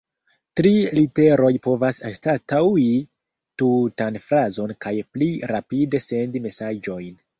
Tri literoj povas anstataŭi tutan frazon kaj pli rapide sendi mesaĝojn.